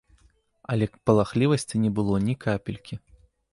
Але палахлівасці не было ні капелькі.